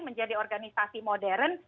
menjadi organisasi modern